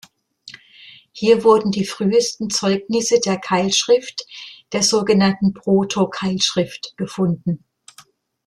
Hier wurden die frühesten Zeugnisse der Keilschrift, der sogenannten Proto-Keilschrift gefunden.